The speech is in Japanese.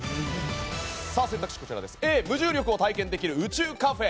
Ａ、無重力を体験できる宇宙カフェ。